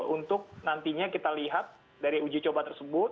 untuk nantinya kita lihat dari uji coba tersebut